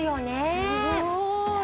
すごーい